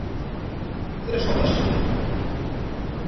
"Zresztą, dasz sobie radę."